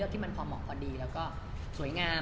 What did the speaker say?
ทำให้ความเหมาะพอดีและสวยงาม